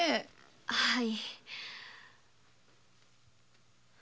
はい。